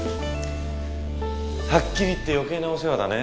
はっきり言って余計なお世話だね。